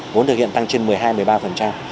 vốn thực hiện tăng trên một mươi hai một mươi ba